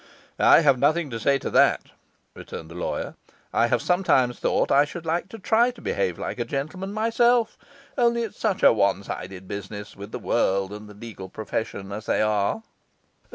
'I have nothing to say to that,' returned the lawyer. 'I have sometimes thought I should like to try to behave like a gentleman myself; only it's such a one sided business, with the world and the legal profession as they are.